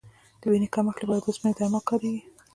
د وینې کمښت لپاره د اوسپنې درمل کارېږي.